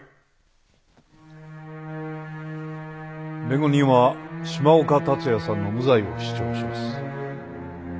弁護人は島岡達也さんの無罪を主張します。